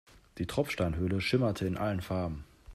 Die Tropfsteinhöhle schimmerte in allen Farben.